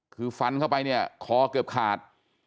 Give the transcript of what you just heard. คือฟันเข้าไปเนี่ยคอเกือบขาด